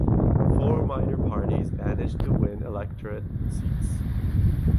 Four minor parties managed to win electorate seats.